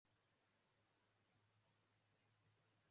Wabonye umukobwa muto ufite umusatsi mugufi wumukara